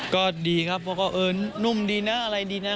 ก็ดีครับเพราะก็เออนุ่มดีนะอะไรดีนะ